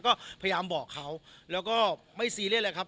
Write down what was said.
ก็พยายามบอกเขาแล้วก็ไม่ซีเรียสเลยครับ